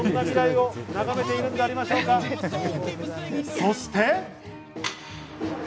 そして。